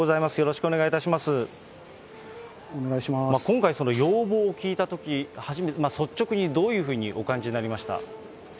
今回、要望を聞いたとき、率直にどういうふうにお感じになりました？